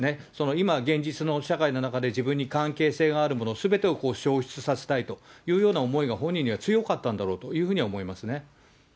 今現実の社会の中で自分に関係性があるもの、すべてを焼失させたいというような思いが本人には強かったんだろうというふうに思いますね。